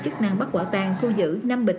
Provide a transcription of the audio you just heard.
chức năng bắt quả tàn thu giữ năm bịch